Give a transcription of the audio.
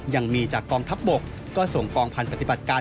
ยังมีจากกองทัพบกก็ส่งกองพันธุปฏิบัติการ